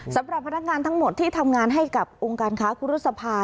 สำหรับพนักงานทั้งหมดที่ทำงานให้กับองค์การค้าคุรุษภา